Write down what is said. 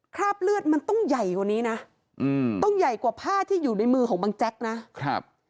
คราบเลือดมันต้องใหญ่กว่านี้นะอืมต้องใหญ่กว่าผ้าที่อยู่ในมือของบังแจ๊กนะครับ